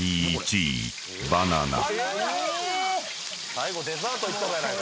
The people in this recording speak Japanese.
⁉最後デザートいっとるやないか。